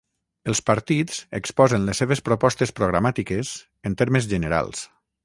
Els partits exposen les seves propostes programàtiques, en termes generals.